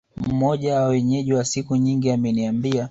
Mmoja wa Wenyeji wa siku nyingi ameniambia